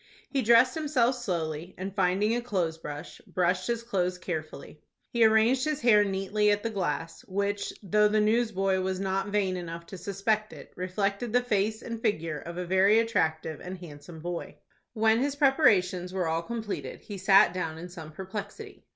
He dressed himself slowly, and, finding a clothes brush, brushed his clothes carefully. He arranged his hair neatly at the glass, which, though the news boy was not vain enough to suspect it, reflected the face and figure of a very attractive and handsome boy. When his preparations were all completed, he sat down in some perplexity.